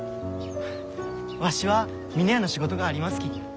フッわしは峰屋の仕事がありますき。